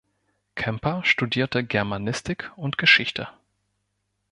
Kemper studierte Germanistik und Geschichte.